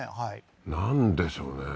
なんでしょうね？